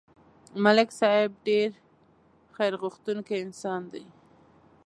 ملک صاحب ډېر خیرغوښتونکی انسان دی